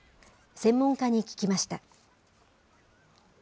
専門家に聞きました。